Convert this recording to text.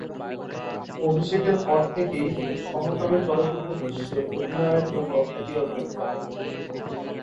অভিষেকের পর থেকেই তিনি সমকামী চলচ্চিত্র দৃশ্যে অভিনয়ের জন্য খ্যাতি অর্জন করেন।